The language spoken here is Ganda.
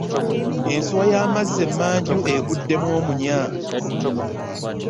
Ensuwa y'amazzi emmanju eguddemu omunya.